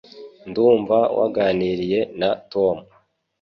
Ndumva waganiriye na Tom.